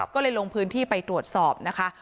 ก็เลยลงพื้นที่ไปตรวจสอบนะคะ